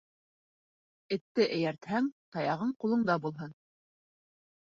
Этте эйәртһәң, таяғың ҡулында булһын.